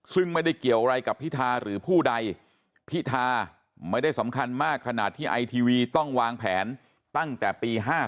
ซึ่งไม่ได้เกี่ยวอะไรกับพิธาหรือผู้ใดพิธาไม่ได้สำคัญมากขนาดที่ไอทีวีต้องวางแผนตั้งแต่ปี๕๗